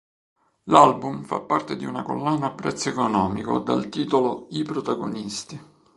L'album fa parte di una collana a prezzo economico dal titolo "I protagonisti".